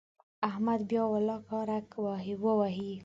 احمد بیا ولاکه رګ ووهي.